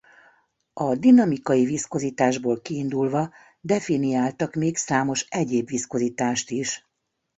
A dinamikai viszkozitásból kiindulva definiáltak még számos egyéb viszkozitást is.